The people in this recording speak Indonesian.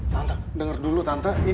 tante denger dulu tante